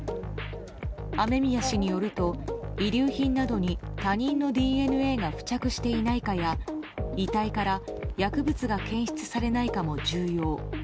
雨宮氏によると、遺留品などに他人のＤｅＮＡが付着していないかや遺体から薬物が検出されないかも重要。